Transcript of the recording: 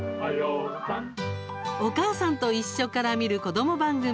「「おかあさんといっしょ」から見る子ども番組」